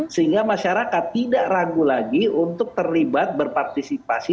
sehingga masyarakat tidak ragu lagi untuk terlibat berpartisipasi